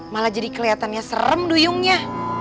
malah jadi kelihatannya serem duyungnya